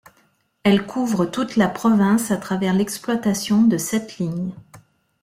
Elle couvre toute la province à travers l'exploitation de sept lignes.